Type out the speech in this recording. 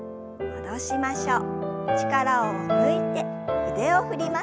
戻しましょう。